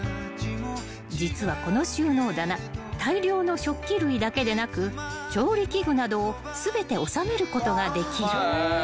［実はこの収納棚大量の食器類だけでなく調理器具などを全て収めることができる］